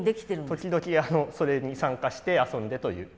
時々それに参加して遊んでという。